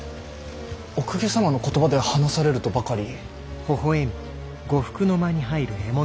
お公家様の言葉で話されるとばかり。